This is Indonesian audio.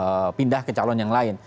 untuk pindah ke calon yang lain